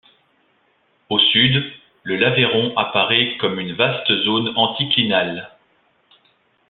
Au sud, le Laveron apparaît comme un vaste zone anticlinale.